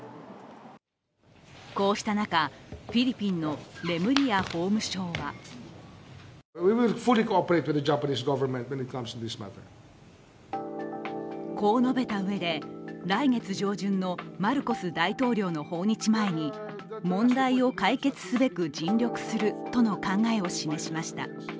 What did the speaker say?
こうした中、フィリピンのレムリヤ法務省はこう述べたうえで、来月上旬のマルコス大統領の訪日前に問題を解決すべく尽力するとの考えを示しました。